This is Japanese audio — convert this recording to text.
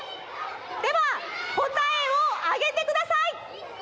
ではこたえをあげてください！